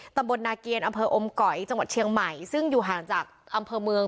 ตำบลนาเกียรอำเภออมก๋อยจังหวัดเชียงใหม่ซึ่งอยู่ห่างจากอำเภอเมือง